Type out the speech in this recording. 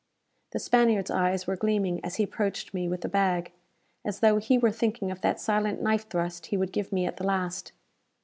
The Spaniard's eyes were gleaming as he approached me with the bag, as though he were thinking of that silent knife thrust he would give me at the last.